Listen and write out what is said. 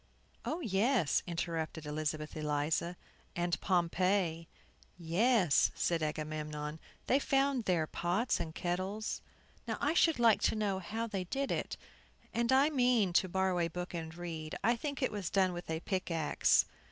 "Oh, yes," interrupted Elizabeth Eliza, "and Pompeii." "Yes," said Agamemnon, "they found there pots and kettles. Now, I should like to know how they did it; and I mean to borrow a book and read. I think it was done with a pickaxe."